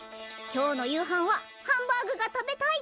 今日の夕飯はハンバーグが食べたい！